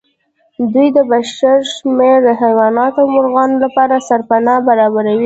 دوی د بې شمېره حيواناتو او مرغانو لپاره سرپناه برابروي.